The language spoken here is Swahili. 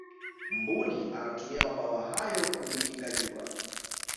mbuni anatumia mabawa hayo kujikinga jua